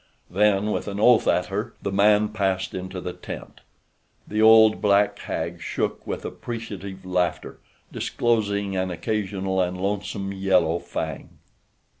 Then, with an oath at her, the man passed into the tent. The old, black hag shook with appreciative laughter, disclosing an occasional and lonesome yellow fang.